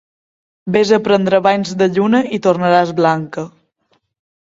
Ves a prendre banys de lluna i tornaràs blanca.